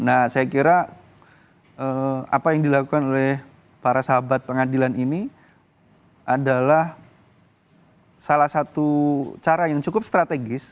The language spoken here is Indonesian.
nah saya kira apa yang dilakukan oleh para sahabat pengadilan ini adalah salah satu cara yang cukup strategis